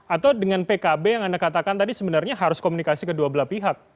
atau dengan pkb yang anda katakan tadi sebenarnya harus komunikasi kedua belah pihak